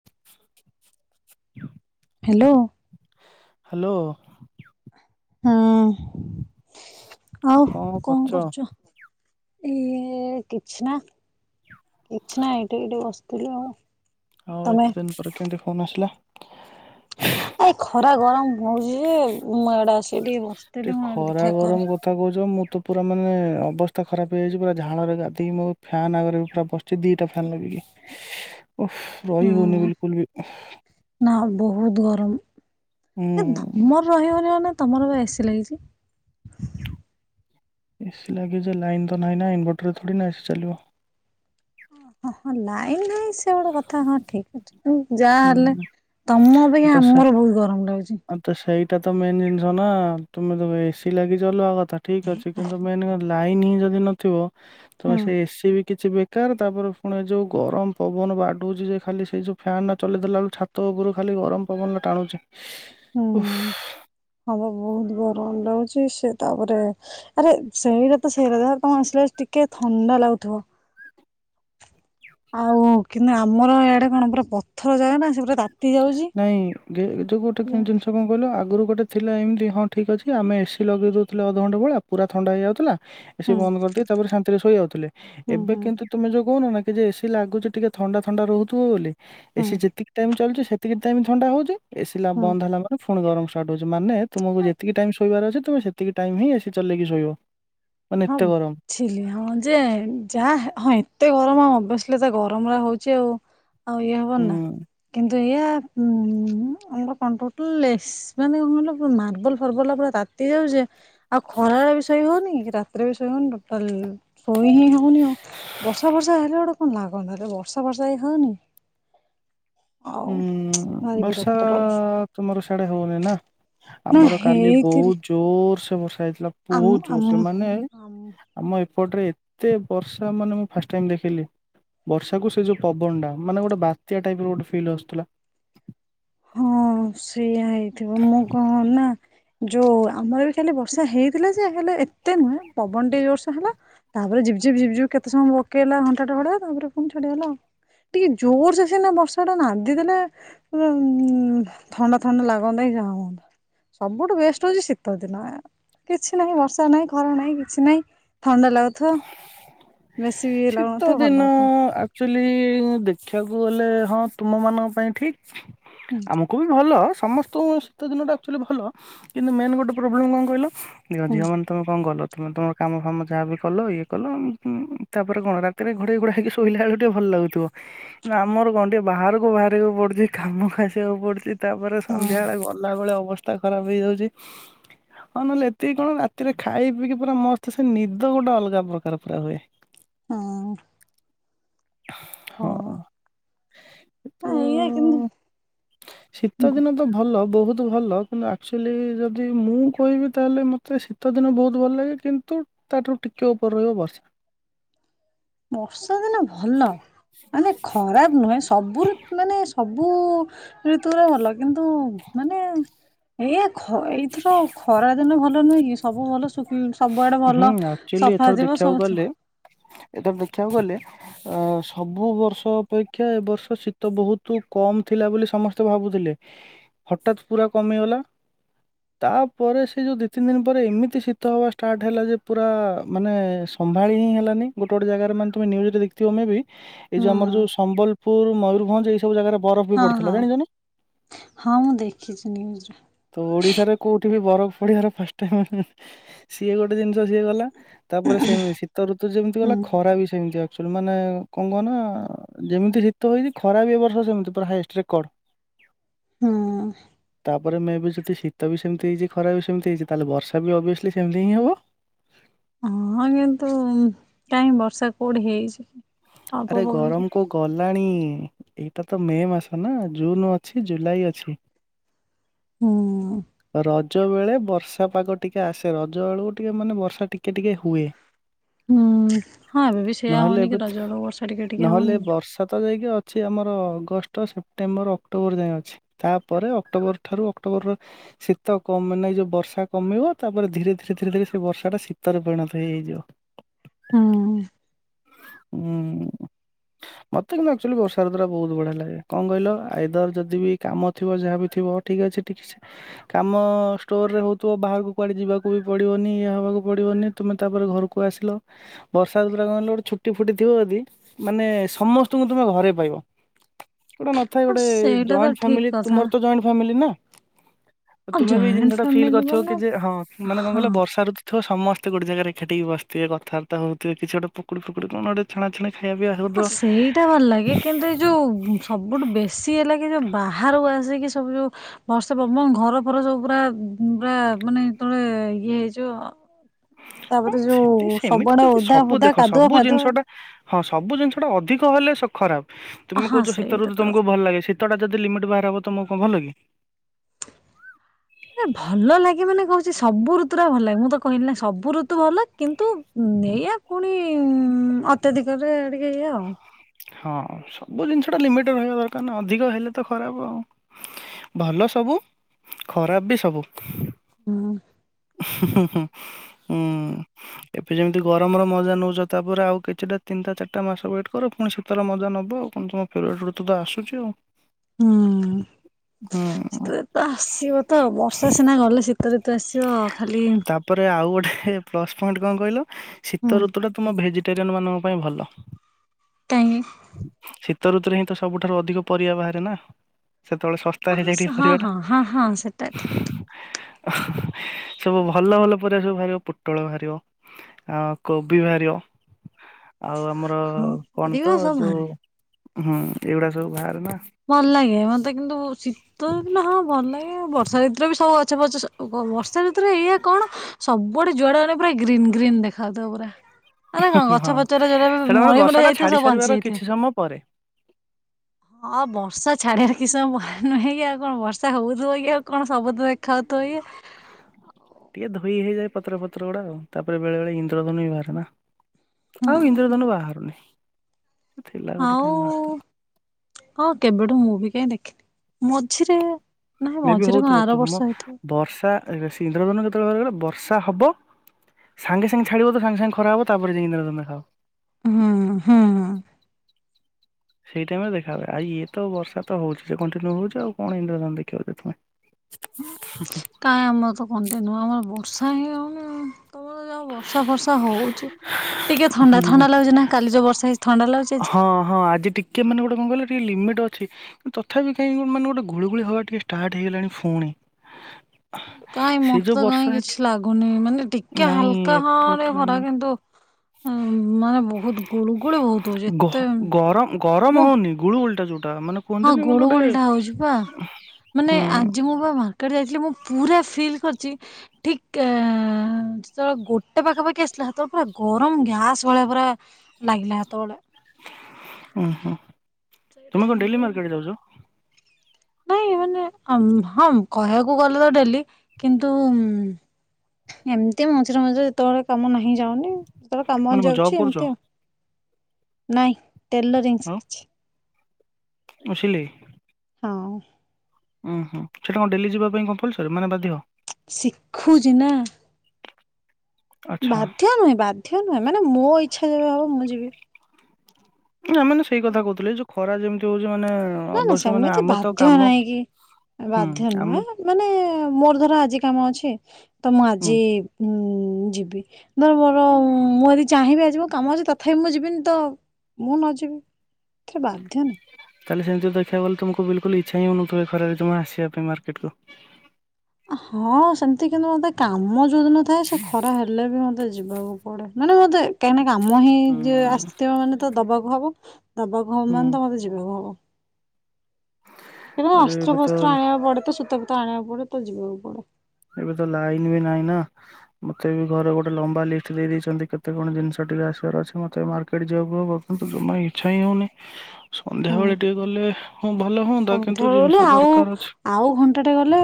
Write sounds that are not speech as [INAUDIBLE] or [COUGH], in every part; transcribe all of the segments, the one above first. [INAUDIBLE] Hello, hello, ହୁଁ, ଆଉ କଣ କରୁଚ? ଇଏ, କିଛି ନା! କିଛି ନା ଏଇଟି ଏଇଟି ବସଥିଲୁ ଆଉ। ଆଉ, ତମେ ଏତେଦିନ ପରେ କେମିତି ଫୋନ୍ ଆସିଲା? ଏ ଖରା ଗରମ ହଉଛି ଯେ ମୁଁ ଏଇଡା ଆସି ଟିକେ ବସିଥିଲି ଟିକେ ମୁଁ ଖରା ଦେଖିବା ଗରମ ଘରେ କଥା କହୁଛ ମୁଁ ତ ପୁରା ମାନେ ଅବସ୍ଥା ଖରାପ ହେଇଯାଇଛି ପୁରା ଝାଳରେ ଗାଧେଇ କି ମୋ ଫ୍ୟାନ୍ ଆଗରେ ପୁରା ବସି ଛି ଦିଟା ଫ୍ୟାନ୍ ଲଗେଇକି ଓଃ ହୁଁ ରହିହଉନି ବିଲକୁଲ ବି ଉଃ। ନା ବହୁତ ହୁଁ ଗରମ ଏ ତମର ରହିବନି ମାନେ ତମର ବା ଏସି ଲାଗିଛି। ଏସି ଲାଗିଛି ଯେ ଲାଇନ ତ ନାହିଁ ନା ଇନଭର୍ଟର ରେ ଥୋଡ଼ି ନା ଏସି ଚାଲିବ। ହ ହଁ ଲାଇନ୍ ନାହିଁ ସେ ଗୋଟ କଥା ହଁ ଠିକ୍ ଅଛି। ଯାହାହେଲେ ହୁଁ ତମ ଅପକ୍ଷା ତ ସେ ଆମର ବହୁତ ଗରମ ଲାଗୁଛି। ଆଉ ତ ସେଇଟା ତ ମେନ୍ ଜିନିଷ ନା ତୁମେ ଦେ ଏସି ଲାଗିଛି ଅଲଗା କଥା ଠିକ ଅଛି କିନ୍ତୁ ମେନ କଣ ଲାଇନ ହିଁ ଯଦି ନଥିବ ହୁଁ ତମେ ସେ ଏସିି ବି କିଛି ବି ତାର ତାପରେ ପୁଣି ଏ ଯୋଉ ଗରମ ପବନ ବାଡଉଛି ଯେ ଖାଲି ସେଇ ଯୋଉ ଫ୍ୟାନ୍ ଚଲାଇଦେଲା ବେଳକୁ ଛାତ ଉପରୁ ଖାଲି ଗରମ ପବନଗୁଡା ଟାଣୁଛି। ହୁଁ, ହଁପା ବହୁତ ଗରମ ଲାଗୁଛି ସେ ତାପରେ ଆରେ ସେଇଟା ତ ସେଇଟା ଯା ତମେ ଆସିଲାବେଳକୁ ଟିକେ ଥଣ୍ଡା ଲାଗୁଥିବ,। ଆଉ, କିନ୍ତୁ ଆମର ଏଇଆଡ଼େ କଣ ପୂରା ପଥର ଜାଗା ନା ସେ ପୁରା ତାତ ନାଇଁ ଏଠୁ ଗୋଟେ [UNINTELLIGIBLE] ସେ କଣ କହିଲ ଆଗରୁ ଗୋଟେ ଥିଲା ଏମିତି ହଁ ଠିକ ଅଛି ଆମେ ଏସି ଲଗେଇ ଦଉଥିଲେ ଅଧଘଣ୍ଟ ଭଳିଆ ପୁରା ଥଣ୍ଡା ହେଇଯାଉଥିଲା। ଏସି ହୁଁ ବନ୍ଦ କରିଦେଇ, ତାପରେ ଶାନ୍ତିରେ ଶୋଇଯାଉଥିଲେ ଏବେ ହୁଁ କିନ୍ତୁ ତୁମେ ଯୋଉ କହୁନନା କିଯେ ଏସି ଲାଗୁଛି ଟିକେ ଥଣ୍ଡା ଥଣ୍ଡା ରହୁଥିବ ବୋଲି, ହୁଁ ଏସି ଯେତିକି ଟାଇମ ଚାଲୁଛି ସେତିକି ତିକି ଟାଇମ ଥଣ୍ଡା ହଉଛି ଏସି ହୁଁ ବନ୍ଦ ହେଲା ମାନେ ପୁଣି ଗରମ ଷ୍ଟାଟ ହଉଛି ମାନେ ତୁମକୁ ଯେତିକି ଟାଇମ୍ ଶୋଇବାର ଅଛି ତୁମେ ସେତିକି ଟାଇମ୍ ହିଁ, ଏସି ଚଲେଇକି ଶୋଇବ। ମାନେ ଏତେ ଗରମ। ଝିଲି ହଁ ଯେ ଯାହା ହଁ ଏତେ ଗରମ ଆଉ [UNINTELLIGIBLE] ତା ଗରମ ହଉଛି ଆଉ। ଆଉ ଇଏ ହବନି ନା? ହୁଁ କିନ୍ତୁ ଏୟା ଉଁ ମ କଣ୍ଟ୍ରୋଲଲେସ ମାନେ କଣକହିଲ ମାର୍ବଲ, ଫାର୍ବଲ, ପୁରା ତା ତାତି ଯାଉଛି ଯେ ଆଉ ଖରାରେ ବି ଶୋଇ ହଉନି କି ରାତିରେ ବି ଶୋଇ ହଉନି ଟୋଟାଲ ଶୋଇ ହିଁ ହଉନି ଆଉ ବର୍ଷା ଫର୍ଷା ହେଲେ ଗୋଟେ କଣ ଲାଗନ୍ତା ହଲେ ବର୍ଷା ଫର୍ଷା ହିଁ ହଉନି। ଆଉ ହୁଁ ଭାରି ବର୍ଷା ବିରକ୍ତ ଲାଗୁଛି ତମର ଶାଡେ ହଉନି ନା? ନା ଆମର କାଲି ହେଇଥିଲି ବହୁତ ଜୋରସେ ବର୍ଷା ହେଇଥିଲା ଆମ ବହୁତ ଆମ ଜୋରସେ ମାନେ ଆମ ଆମ ଏପଟରେ ଏତେ ବର୍ଷା ମାନେ ମୁଁ ଫାଷ୍ଟ ଟାଇମ ଦେଖିଲି। ବର୍ଷାକୁ ସେ ଯେଉଁ ପବନ ଟା ମାନେ ଗୋଟେ ବାତ୍ୟା ଟାଇପର ଗୋଟେ ଫିଲ୍ ଆସୁଥିଲା। ହଁ, ସେଇଆ ହେଇଥିବ, ମୁଁ କଣ କଲି ନା ଯୋଉ ଆମର ବି କାଲି ବର୍ଷା ହେଇଥିଲା ଯେ, ହେଲେ ଏତେ ନୁହେଁ, ପବନଟିକେ ଜୋର ସେ ହେଲା ତାପରେ ଝିପଝିପ, ଝିପଝିପ, କେତେ ସମୟ ପକେଇଲା ଘଣ୍ଟାଟେ ଭଳିଆ ତାପରେ ପୁଣି ଛାଡିଗଲା ଆଉ। ଟିକେ ଯୋର ସେ ସିନା ବର୍ଷା ଟା ନାଦିଦେଲେ ଥଣ୍ଡା ଥଣ୍ଡା ଲାଗନ୍ତା କି ଯାହାହୁଅନ୍ତା ସବୁଠୁ ବେଷ୍ଟ ହଉଛି ଶୀତ ଦିନ ଏ କିଛି ନାହିଁ ବର୍ଷା ନାହିଁ ଖରା ନାହିଁ କିଛି ନାହିଁ ଥଣ୍ଡା ଲାଗୁ ଥୁ ବେଶୀ ବି ଇଏ ଲାଗୁନଥିବ ଭଲ ଲାଗୁଥିବ। ୱାକଚୁଆଲି ଦେଖିବାକୁ ଗଲେ, ହଁ ତୁମମାନଙ୍କ ପାଇଁ ଠିକ ହୁଁ ଆମ ଖୁବି ଭଲ ସମସ୍ତଙ୍କୁ ଶୀତ ଦିନଟା ଆକ୍ଚୁଆଲି ଭଲ କିନ୍ତୁ ମେନ୍ ଗୋଟେ ପ୍ରୋବ୍ଲେମ୍ କଣ କହିଲ ଝିଅ, ହୁଁ ଝିଅମାନେ ତମେ କଣ କଲ, ତମେ ତମର କାମ ଫାମ ଯାହାବି କଲ ଇଏ କଲ ତାପରେ କଣ ରାତିରେ ଘୋଡ଼େଇ ଘୋଡ଼ା ହେଇକି ଶୋଇଲା ବେଳକୁ ଟିକେ ଭଲ ଲାଗୁଥିବ। ଆମର କଣ ଟିକେ ବାହାରକୁ ବାହାରିବାକୁ ପଡୁଛି କାମ କୁ ଆସିବାକୁ ପଡୁଛି। ତାପରେ ହଁ ସନ୍ଧ୍ୟାବେଳେ ଗଲାବେଳେ ଅବସ ଅବସ୍ଥା ଖରାପ ହେଇଯାଉଛି ଆଉ ନହେଲେ ଏତିକି କଣ ରାତିରେ ଖାଇ ପିଇକି ପୁରା ମସ୍ତ ସେ ନି ଦ ଗୋଟେ ଅଲଗା ପ୍ରକାର ପୁରା ହୁଏ। ହୁଁ। ହଁ। ତୁ ହଁ ଏଇଆ କିନ୍ତୁ ଶୀତ ଦିନ ତ ଭଲ ବହୁତ ବହୁତ ଭଲ କିନ୍ତୁ ଆକ୍ଚୁଆଲି ଯଦି ମୁଁ କହିବି ତାହେଲେ ମୋତେ ଶୀତଦିନ ବହୁତ ଭଲ ଲାଗେ କିନ୍ତୁ ତାଠାରୁ ଟିକେ ଉପରେ ରହିବ ବର୍ଷା। ବର୍ଷା ଦିନ ଭଲ ମାନେ ଖରାପ ନୁହେଁ ସବୁରୁ ମାନେ ସବୁ ଋତୁ ଗୁରା ଭଲ କିନ୍ତୁ ମାନେ ଏଇଆ ଖ ଏଇତ ଖରା ଦିନ ଭଲ ନୁହେଁ କି ସବୁ ଭଲ ସବୁଆଡେ ଭଲ ସଫା ଥିବ ସବୁଥିବ। ଏଟା ଦେଖିବାକୁ ଗଲେ ଅ ସବୁ ବର୍ଷ ଅପେକ୍ଷା ଏ ବର୍ଷ ଶୀତ ବହୁତ କମ ଥିଲା ବୋଲି ସମସ୍ତେ ଭାବୁଥିଲେ। ହଠାତ୍ ପୁରା କମିଗଲା। ତାପରେ ସେ ଯୋଉ ଦି ତିନି ଦିନି ପରେ ଏମିତି ଶୀତ ହବା ଷ୍ଟାର୍ଟ ହେଲା ଯେ ପୁରା ମାନେ ସମ୍ଭାଳି ହିଁ ହେଲାନି ଗୋଟେ ଗୋଟେ ଜାଗାରେ ମାନେତମେ ନ୍ୟୁଜରେ ଦେଖି ମେ ବି ଏଇ ହୁଁ ଯଉ ଆମର ଯୋଉ ସମ୍ବଲପୁର ମୟୂରଭଞ୍ଜ ଏଇ ସବୁ ଜାଗାରେ ବରଫ ବି ହଁ ହଁ ପଡିଥିଲା ଜାଣିଛ ନା? ହଁ ମୁଁ ଦେଖିଛି ନ୍ୟୁଜରେ ତ ଓଡିଶାରେ କୋଉଠି ବି ବରଫ ପଡିବାର ଫାଷ୍ଟ ଟାଇମ ସିଏ ଗୋଟେ ଜିନିଷ ସିଏ ଗଲା। ତାପରେ ସେମିତି ଶୀତ ଋତୁ ଯେମିତି ହୁଁ ଗଲା ଖରା ବି ସେମିତି ଆ ଶୁଣୁ ମାନେ କଣ କହନା ଯେମିତି ଶୀତ ହେଇଛି ଖରା ବି ଏ ବର୍ଷ ସେମିତି ପୁରା ହାଇଏଷ୍ଟ ରେକର୍ଡ। ହୁଁ। ତାପରେ ମେ ବି ସେଠି ଶୀତ ବି ସେମତି ହେଇଛି ଖରା ବି ସେମିତି ହେଇଛି ତାହେଲେ ବର୍ଷା ବି ଅବିଅସ୍ଲି ସେମିତି ହିଁ ହବ। ହଁ କିନ୍ତୁ କାହିଁ ବର୍ଷା କୋଉଠି ହେଇଛି କି? ଆରେ ଗରମ କଉ ଗଲାଣି ଏଇଟା ତ ମେ ମାସ ନା ଜୁନ ଅଛି ଜୁଲାଇ ଅଛି। ହୁଁ। ରଜ ବେଳେ ବର୍ଷା ପାଗ ଟିକେ ଆସେ ରଜ ବେଳକୁ ଟିକେ ମାନେ ବର୍ଷା ଟିକେ ଟିକେ ହୁଏ। ହୁଁ ହଁ ଏବେ ବି ସେଇୟା ନହେଲେ ହଉନି କି ଏବେ ରଜ ବେଳକୁ ବର୍ଷା ଟିକେ ଟିକେ ହଉନି ନହେଲେ କି ବର୍ଷା ତ ଯାଇକି ଅ ଅଛି ଆମର ଅଗଷ୍ଟ ସେପ୍ଟେମ୍ବର ଅକ୍ଟୋବର ଯାଏଁ ଅଛି ତାପରେ ଅକ୍ଟୋବର ଠାରୁ ଅକ୍ଟୋବର ଶୀତ କମ ମାନେ ଯୋଉ ବର୍ଷା କମିବ ତାପରେ ଧୀରେ ଧୀରେ ଧୀରେ ଧୀରେ ସେ ବର୍ଷା ଟା ଶୀତରେ ପରିଣତ ହେଇ ହେଇଯିବ ହୁଁ ହୁଁ ମତେ କିନ୍ତୁ ଆକ୍ଚୁଆଲି ବର୍ଷାର ଦ୍ଵାରା ବହୁତ ବଢିଆ ଲାଗେ କଣ କହିଲ ଆଇଦର ଯଦି ବି କାମ ଥିବ ଯାହା ବି ଥିବ ଠିକ୍ ଅଛି ଠିକ ଅଛି କାମ ଷ୍ଟୋର ରେ ହଉଥିବ ବାହାରକୁ କୁଆଡେ ଯିବାକୁ ବି ପଡିବନି ଇଏ ହବାକୁ ପଡିବନି ତୁମେ ତାପରେ ଘରକୁ ଆସିଲ ବର୍ଷା ଦୁରା କନ ଛୁଟି ଫୁଟି ଥିବ ଯଦି ମାନେ ସମସ୍ତଙ୍କୁ ତମେ ଘରେ ପାଇବ ଗୋଟେ ନଥାଏ ହଁ ଗୋଟେ ସେଇଟା ତ ଜଏଣ୍ଟ ଠିକ ଫାମିଲି କଥା ତୁମର ତ ଜଏଣ୍ଟ ଫାମିଲି ନା ହଁ ତୁମେ ବି ଏଇ ଜଏଣ୍ଟ ଜିନିଷ ଟା ଫିଲ୍ ଫ୍ୟାମିଲି କରିଥିବ ମାନେ କି ଯେ ହଁ ମାନେ କଣ ହଁ କହିଲ ବର୍ଷା ଋତୁ ସମସ୍ତେ ଗୋଟେ ଜାଗା ରେ ଏକାଠି ହୋଇ ବସିିଥିବେ କଥାବାର୍ତ୍ତା ହଉଥିବେ କିଛି ଗୋଟେ ପକୁଡି ଫୁକୁଡି କଣ ଗୋଟେ ଛଣା ଛଣି ଖାଇବା ପିଇବା ହଁ ହଉଥିବ ସେଇଟା ଭଲ ଲାଗେ କିନ୍ତୁ ଏ ଯେଉଁ ସବୁଠୁ ବେଶୀ ହେଲା କି ଯେଉଁ ବାହାରକୁ ଆସିକି ସବୁ ଯେଉଁ ବର୍ଷେ ପବନ ଘର ଫର ସବୁ ପୁରା ପୁରା ମାନେ ଯେତେବଳେ ଇଏ ହେଇଯିବ ହଁ ତାପରେ ଯୋଉ ସେଠି ସେମିତି ସବୁଆଡ଼େ ଯଦି ଓଦା ସବୁ ଫଦା ଦେଖ କାଦୁଅ ସବୁ ଫାଦୁଅ ଜିନିଷଟା ହଁ ସବୁ ଜିନିଷ ଟା ଅଧିକ ହେଲେ ସ ଖରାପ ତୁମେ ହଁ କହୁଛ ଶୀତ ସେଇଟା ଋତୁ ତ କଥା ତମକୁ ଭଲ ଲାଗେ ସେ ତଡ଼ା ଯଦି ଲିମିଟ୍ ବାହାର ହବ ତ ମୁଁ କଣ ଭଲ କି ନା ଭଲ ଲାଗେ ମାନେ କହୁଛି ସବୁ ଋତୁରା ଭଲ ଲାଗେ ମୁଁ ତ କହିଲି ନା ସବୁ ଋତୁ ଭଲ। କିନ୍ତୁ ନେଇଆ ପୁଣି ଅତ୍ୟଧିକରେ ଟିକେ ଏଇଆ ଆଉ। ହଁ ସବୁ ଜିନିଷ ଟା ଲିମିଟ୍ ରେ ରହିବା ଦରକାର ନା ଅଧିକ ହେଲେ ତ ଖରାପ ଆଉ। ଭଲ ସବୁ ଖରାପ ବି ସବୁ। ହୁଁ [INAUDIBLE] ଉଁ ଏବେ ଯେମିତି ଗରମର ମଜା ନଉଛ ତାପରେ ଆଉ କିଛିଟା ତିନଟା ଚାରିଟା ମାସ ୱେଟ୍ କର ପୁଣି ଶୀ ଏତଲ ମଜା ନବ ଆଉ କଣ ତମ ଫେଭରାଇଟ୍ ଋତ ତ ଆସୁଛି ଆଉ। ହୁଁ ହୁଁ ଶୀତ ତ ଆସିବ ତ ବର୍ଷା ସିନା ଗଲେ ଶୀ ଶୀତ ଋତୁ ଆସିବ ଖାଲି ତାପରେ ଆଉ ଗୋଟେ ପ୍ଲସ୍ ପଏଣ୍ଟ କଣ କହିଲ ହୁଁ ଶୀତ ଋତୁଟା ତୁମ ଭେଜିଟେରିଆନ୍ ମାନଙ୍କ ପାଇଁ ଭଲ। [INAUDIBLE] ଶୀତ ଋତୁରେ ହିଁ ତ ସବୁଠାରୁ ଅଧିକ ପରିବା ବାହାରେ ନା। ସେତେବେଳେ ଶସ୍ତା ହଁ ହେଇଯାଏ ଟିକେ ହଁ ହଁ ହଁ ହଁ ସେଟା ଠିକ ପରିବାଟା। [INAUDIBLE] ସବୁ ଭଲ ଭଲ ପନିପରିବା ସବୁ ବାହାରିବ ପୋଟଳ ବାହାରିବ ଆ କୋବି ବାହାରିବ ଆଉ ଆମର ହଁ ଆର କଣ ପରିବା ତ ସବୁ ଯୋଉ ବାହାରେ ହଁ ଏଗୁଡା ସବୁ ବାହାରେ ନା ଭଲ ଲାଗେ ମତେ କିନ୍ତୁ ଶୀତ ଦିନ ହଁ ଭଲ ଲାଗେ ବର୍ଷା ଋତରେ ବି ସବୁ ଗଛ ପଛ ଓ କଣ ବର୍ଷା ଋତୁରେ ଏଇଆ କଣ ସବୁଆଡେ ଯୁଆଡେ ଅନେଇବୁ ପୁରା ଗ୍ରୀନ୍ ଗ୍ରୀନ୍ ଦେଖାଯାଉଥିବ ପୁରା। ଆରେ କଣ ହଁ। ଗଛପଛରା ଯୋଉରା ସେଇଟା ମାନେ ମଳି ବର୍ଷା ଗୁଡା ଟା ଯାଇଥିବ ଛାଡି ସବୁ ସାରିବାର ବଞ୍ଚି ଯାଇଥିବ। କିଛି ସମୟ ପରେ ହଁ ବର୍ଷା ଛାଡିବାର କିଛି ସମୟ ନୁହେଁ କି ଆଉ କଣ ବର୍ଷା ହଉଥିବ କି ଆଉ କଣ ସବୁ ତ ଦେଖା ହଉଥିବ ଇଏ। ଟିକେ ଧୋଇ ହେଇଯାଏ ପତ୍ର ଫତ୍ର ଗୁଡା ଆଉ ତାପରେ ବେଳେ ବଳେ ଇନ୍ଦ୍ରଧନୁ ବି ବାହାରେ ନା। ଆଉ ଇନ୍ଦ୍ରଧନୁ ବାହାରୁନେହି ଥିଲା ଗୋଟେ ଟାଇମ୍ ଆଉ ବାହାରୁଥିଲା। ହଁ କେବେଠୁ ମୁଁ ବି କାଇଁ ଦେଖିନି, ମଝିରେ ନାଇଁ ମେ ବି ମଝିରେ କଣ ହଉଥିବ ଆର ବର୍ଷ ତୁମ ହେଇଥିବ। ବର୍ଷା ଇନ୍ଦ୍ରଧନୁ ଯେତେବେଳୁ ବାହାରିବାଳୁ ବର୍ଷା ହବ ସାଙ୍ଗେ ସାଙ୍ଗେ ଛାଡ଼ିବ ତ ସାଙ୍ଗେ ସାଙ୍ଗେ ଖରା ହେବ ତାପରେ ଯାଇଁକିରା ତମେ ଦେଖା ହବ। ହୁଁ, ହୁଁ, ହୁଁ। ସେଇ ଟାଇମ୍ ରେ ଦେଖା ହୁଏ ଆ ଇଏ ତ ବର୍ଷା ତ ହଉଛି ଯେ କଣ୍ଟିନ୍ୟୁ ହଉଛି ଆଉ କଣ ଇନ୍ଦ୍ରଧନୁ ଦେଖିବ ଯେ ତୁମେ। [INAUDIBLE] କାଇଁ ଆମର ତ କଣ୍ଟିନୁ ଆମର ବର୍ଷା ହିଁ ହଉନି। ତମର ଯହାହଉ ବର୍ଷା ଫର୍ଷା ହଉଛି। ଟିକେ ଥଣ୍ଡା ହୁଁ ଥଣ୍ଡା ଲାଗୁଛି ନା କାଲି ଯୋଉ ବର୍ଷା ହେଇଛି ଥଣ୍ଡା ଲୁଗୁଛି। ହଁ, ହଁ, ଆଜି ଟି କେମାନେେ ଗୋଟେ କଣ କହିଲ ଟିକଏ ଲିମିଟ୍ ଅଛି। ତଥାପି କାଇଁ ମାନେ ଗୋଟେ ଗୁଳିଗୁଳି ହବା ଟିକେ ଷ୍ଟାର୍ଟ ହେଇଗଲାଣି ଫୁଣି। କାଇଁ ସେ ମତେ ଯୋଉ ତ କାଇଁ ବର୍ଷା କିଛି ଲାଗୁନି ମାନେ ଟି କେ ନାଇଁ ହାଲକା ହଁ ରେ ଏପଟରେ ଖରା ଆମର କିନ୍ତୁ ଉଁ ମାନେ ବହୁତୁ ଗୁଳୁ ଗୁଳି ବହୁତ ହଉଛି ଏତେ ବୋ ଗୁଳୁ ଗୁଳିଟା ଯୋଉଟା ମାନେ ହଁ କୁହନ୍ତିନି ମାନେ ଗୁଳୁ ଗୋଟେ ଗୁଳୁଟା ହଉଛି ପା ମାନେ ହୁଁ ଆଜି ମୁଁ ପା ଭା କୁଆଡେ ଯାଇଥିଲି ମୁଁ ପୁରା ଫିଲ୍ କରିଛି ଠିକ୍ ଆ ଆଆ ଯେତେବେଳେ ଗୋଟେ ପାଖାପାଖି ଆସିଥିଲା ସେତଳେ ପୁରା ଗରମ ଗ୍ୟାସ୍ ଭଳିଆ ପୁରା ଲାଗିଲା ହେତୋଳେ। ଉ ହୁଁ ସେଇ ତୁମେ କଣ ଡେଲି ଟାଇମରୁ ମାର୍କେଟ୍ ଯାଉଛ? ନାଇଁ ମାନେ ହଁମ୍ ହଁମ୍ କହିବାକୁ ଗଲେ ତ ଡେଲି କିନ୍ତୁ ଉଁ ଏମିତି ମଝିରେ ମଝିରେ ଯେତଳେ କାମ ନାହିଁ ଯାଉନି। ଯେତଳେ କାମ ମାନେ ହେନେ କଣ ଜବ୍ ଯାଉଛି କରୁଛ ଏମିତି ଆଉ ନାଇଁ ଟେଲରିଂ ଶିଖିଛି। ମୁଁ ସିଲେଇ ହଁ ଉୁଁ ହୁଁ ସେଟା କଣ ଡେଲି ଯିବା ପାଇଁ କମ୍ପଲସରି ମାନେ ବାଧ୍ୟ? ଶିଖୁଛି ନା। ଆଚ୍ଛା ବାଧ୍ୟ ନୁହେଁ ବାଧ୍ୟ ନୁହେଁ ମାନେ ମୋ ଇଚ୍ଛା ଯେବେ ହବ ମୁଁ ଯିବି। ନା ମାନେ ସେଇ କଥା କହୁଥିଲେ ଯୋଉ ଖରା ଯେମିତି ହଉଚି ମାନେ ନା ନା ଅବଶ୍ୟ ମାନେ ସେମିତି ଆମେ ତ ବାଧ୍ୟ କାମ ନାଇଁ କି ହୁଁ ବାଧ୍ୟ ଆମ ନୁହଁ ହେଲା। ମାନେ ମୋର ଧର ଆଜି କାମ ଅଛି ତ ମୁଁ ହୁଁ ଆଜି ମୁଁ ଯିବି ଧର ମୋର ମୁଁ ଯଦି ଚାହିଁବି ଆଜି ମୋ କାମ ଅଛି ତଥାପି ମୁଁ ଯିବିନି ତ ମୁଁ ନ ଯିବି ସେଥିରେ ବାଧ୍ୟ ନାହିଁ। ତାହେଲେ ସେମତି ଦେଖିବାକୁ ଗଲେ ତମକୁ ବିଲକୁଲ ଇଚ୍ଛା ହଉନଥିବ ଖରାରେ ଜମା ଆସିବା ପାଇଁ ମାର୍କେଟକୁ ହଁ ସେମିତି କିନ୍ତୁ ମତେ କାମ ଯୋଉ ଦିନ ଥାଏ ସେ ଖରା ହେଲେ ବି ମତେ ଯିବାକୁ [UNINTELLIGIBLE] ମାନେ ମତେ କାହିଁକି କାମ ହିଁ ହୁଁ ଯିଏ ଆସିଥିବ ମାନେ ତେ ଦବାକୁ ହବ ଦବାକୁ ହବ ହୁଁ ମାନେ ତ ମତେ ଯିବାକୁ ହବ। [UNINTELLIGIBLE] ଆରେ ଅସ୍ତ୍ର ଏବେ ତ ଫସ୍ତ୍ର ଆଣିବାକୁ ପଡେ ତ ସୂତାଫୁତା ଆଣିବାକୁ ପଡେ ତ ଯିବାକୁ ପଡେ। ଏବେ ତ ଲାଇନ ବି ନାହିଁ ନା। ମୋତେ ବି ଘରେ ଗୋଟେ ଲମ୍ବା ଲିଷ୍ଟ ଦେଇଦେଇଚନ୍ତି କେତେ କଣ ଜିନିଷ ଟିକେ ଆସିବାର ଅଛି ମୋତେ ବି ମାର୍କେଟ୍ ଯିବାକୁ ହବ। ଜମା ଇଚ୍ଛା ହିଁ ହଉନି। [UNINTELLIGIBLE] ହୁଁ ସନ୍ଧ୍ୟାବେଳେ ଟିକେ ଗଲେ ହଁ ଭଲ ହୁଅନ୍ତା କିନ୍ତୁ ସନ୍ଧ୍ୟାବେଳେ ଜିନିଷ ଆଉ ଦରକାର ଅଛି। ଆଉ ଘଣ୍ଟାଟେ ଗଲେ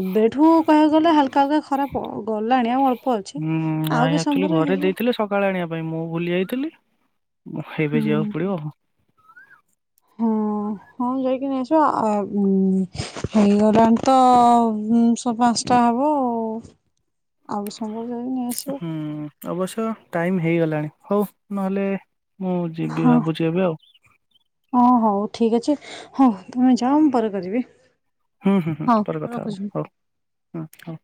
ଏବେଠୁ କହିଆକୁ ଗଲେ ହାଲକା ହଲକା ଖରାପ ଆଉ। ଗଲାଣି ଆଉ ଅଳ୍ପ ଅଛି ହୁଁ ଆଉ ନାଇଁ କିଛ ସମୟ ଆକ୍ଚୁଆଲି ପରେ ଘରେ ହେଇଯିବ। ଦେଇଥିଲେ ସକାଳେ ଆଣିବା ପାଇଁ ମୁଁ ଭୁଲି ଯାଇଥିଲି ଏବେ ଯିବାକୁ ହୁଁ ପଡିବ ଆଉ। ହଁ ହଁ ହଁ ଯାଇକି ନେଇ ଆସିବା ଆଉ ହେଇଗଲାଣି ତ ପାଞ୍ଚ ତ ହବ ଆଉ। ହବ ଯାଇନି ହୁଁ ଅବଶ୍ୟ ଟାଇମ ହେଇଗଲାଣି ହଉ ନହେଲେ ମୁଁ ଯିବି ହଁ ଭାବୁଚି ଏବେ ଆଉ। ହଁ ହଉ ଠିକ୍ ଅଛି ହଉ ତମେ ଯାଅ ମୁଁ ପରେ କରିବି ଏଁ ହୁଁ ହୁଁ ହୁଁ ପରେ କଥା ହଉ ହଉ ହୁଁ ହଉ।